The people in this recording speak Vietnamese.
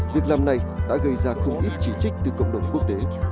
việc làm này đã gây ra không ít chỉ trích từ cộng đồng quốc tế